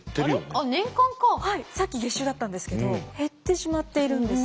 さっき月収だったんですけど減ってしまっているんですね。